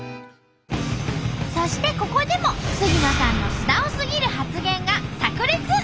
そしてここでも杉野さんの素直すぎる発言がさく裂！